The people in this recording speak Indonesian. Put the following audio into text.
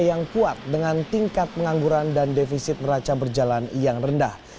yang kuat dengan tingkat pengangguran dan defisit neraca berjalan yang rendah